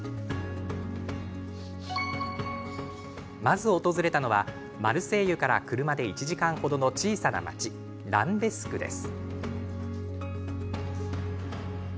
まず訪れたのはマルセイユから車で１時間程の小さな町、ランベスクです。